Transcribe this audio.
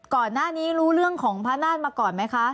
ก่อนหน้านี้รู้เรื่องของพระนาฏมาก่อนไหมคะ